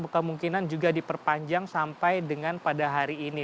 kemungkinan juga diperpanjang sampai dengan pada hari ini